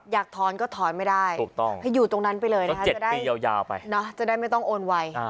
อยากถอนก็ถอนไม่ได้ให้อยู่ตรงนั้นไปเลยนะคะจะได้ยาวไปจะได้ไม่ต้องโอนไว